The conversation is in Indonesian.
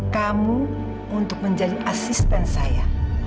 kamu untuk menjadi asisten saya